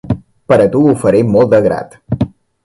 Per a tu ho faré molt de grat.